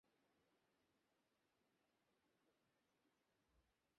বরং হিজর উপত্যকার কতিপয় নির্বোধ লোক আলোর পথ দেখার পরেও মুখ ফিরিয়ে থাকে।